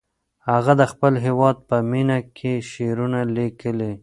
هغه د خپل هېواد په مینه کې شعرونه لیکي.